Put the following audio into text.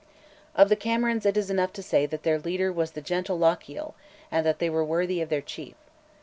Of the Camerons it is enough to say that their leader was the gentle Lochiel, and that they were worthy of their chief.